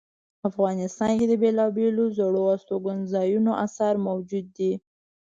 افغانستان کې د بیلابیلو زړو استوګنځایونو آثار موجود دي